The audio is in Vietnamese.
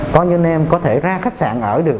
có những anh em có thể ra khách sạn ở được